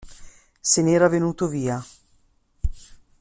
Se n'era venuto via.